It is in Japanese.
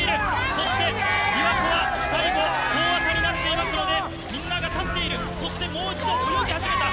そしてびわ湖は最後、遠浅になっていますので、みんなが立っている、そしてもう一度泳ぎ始めた。